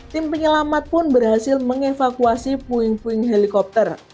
tim penyelamat pun berhasil mengevakuasi puing puing helikopter